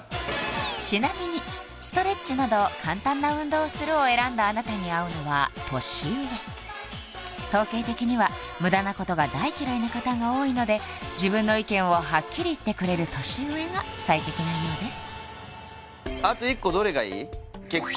ちなみにストレッチなど簡単な運動をするを選んだあなたに合うのは年上統計的には無駄なことが大嫌いな方が多いので自分の意見をはっきり言ってくれる年上が最適なようです